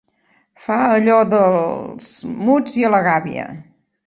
Fa allò del muts i a la gàbia.